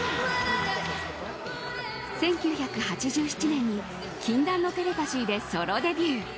１９８７年に「禁断のテレパシー」でソロデビュー。